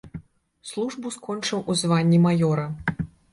Службу скончыў у званні маёра.